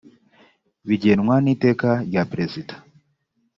bigenwa n’iteka rya perezida